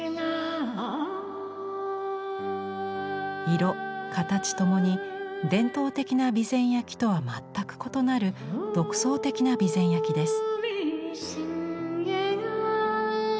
色形ともに伝統的な備前焼とは全く異なる独創的な備前焼です。